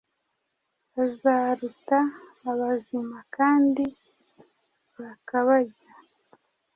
bazaruta abazimakandi bakabarya